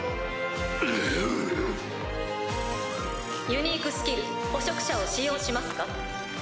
ユニークスキル「捕食者」を使用しますか？